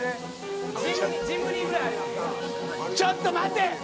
ちょっと待て！